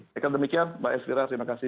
dikirain demikian mbak eswira terima kasih